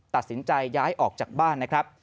ตัดสินใจย้ายออกจากบ้านนะครับ